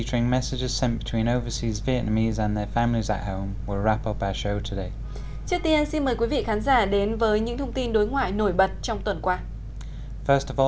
trước tiên xin mời quý vị khán giả đến với những thông tin đối ngoại nổi bật trong tuần qua